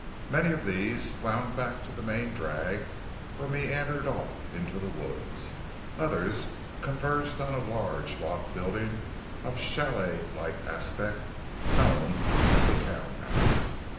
Many of these wound back to the main drag or meandered off into the woods. Others converged on a large log building of chalet like aspect known as "the townhouse."